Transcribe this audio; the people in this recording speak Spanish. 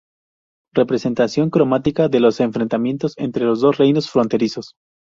Representación cromática de los enfrentamientos entre los dos reinos fronterizos.